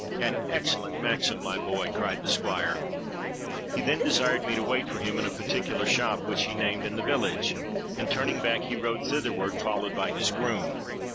'—'An excellent maxim, my boy!' cried the Squire. He then desired me to wait for him in a particular shop, which he named, in the village; and, turning back, he rode thitherward, followed by his groom.